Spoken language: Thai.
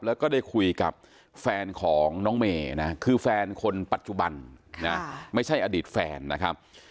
แล้วก็ได้คุยกับแฟนของน้องเมย์นะคือแฟนคนปัจจุบันนะไม่ใช่อดีตแฟนนะครับ